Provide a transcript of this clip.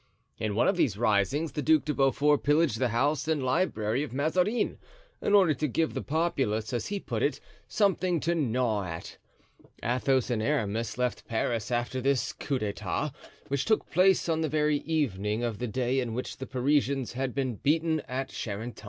In one of these risings, the Duc de Beaufort pillaged the house and library of Mazarin, in order to give the populace, as he put it, something to gnaw at. Athos and Aramis left Paris after this coup d'etat, which took place on the very evening of the day in which the Parisians had been beaten at Charenton.